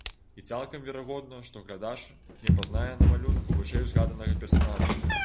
І цалкам верагодна, што глядач не пазнае на малюнку вышэй узгаданага персанажа.